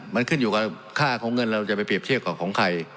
มันขึ้นอยู่กับค่าของเงินเราจะไปเรียบเทียบกับของใคร